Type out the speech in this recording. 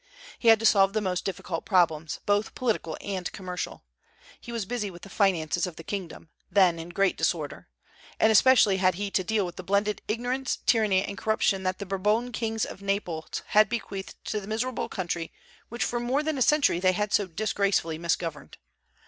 He had to solve the most difficult problems, both political and commercial. He was busy with the finances of the kingdom, then in great disorder; and especially had he to deal with the blended ignorance, tyranny, and corruption that the Bourbon kings of Naples had bequeathed to the miserable country which for more than a century they had so disgracefully misgoverned.